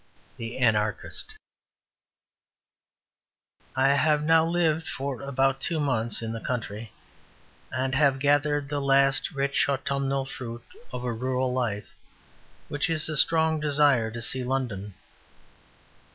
The Anarchist I have now lived for about two months in the country, and have gathered the last rich autumnal fruit of a rural life, which is a strong desire to see London.